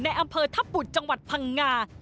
อำเภอทัพบุตรจังหวัดพังงา